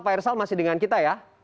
pak irsal masih dengan kita ya